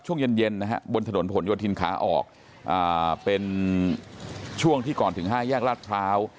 ช่วงเย็นนะฮะบนถนนผลโยธินขาออกเป็นช่วงที่ก่อนถึง๕แยกลาดพร้าว